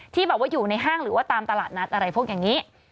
ที่แบบว่าอยู่ในห้างหรือว่าตามตลาดนัดอะไรพวกอย่างนี้